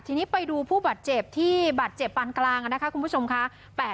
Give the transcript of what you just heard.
ทีนี้ไปดูผู้บาดเจ็บที่บาดเจ็บปานกลางนะคะคุณผู้ชมค่ะ